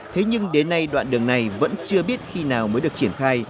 thế nhưng đến nay đoạn đường này vẫn chưa biết khi nào mới được triển khai